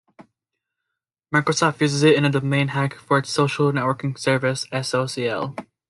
Microsoft uses it in a domain hack for its social networking service so.cl.